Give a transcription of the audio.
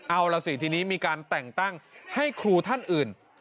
เอาล่ะสิทีนี้มีการแต่งตั้งให้ครูท่านอื่น